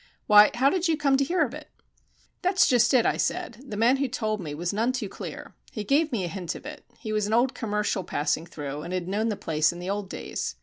Why, how did you come to hear of it?" "That's just it," I said. "The man who told me was none too clear. He gave me a hint of it. He was an old commercial passing through, and had known the place in the old days.